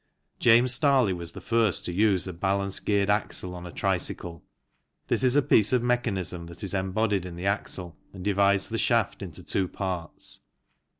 James Starley was the first to use a balance geared 'axle on a tricycle ; this is a piece of mechanism that is embodied in the axle and divides the shaft into two parts.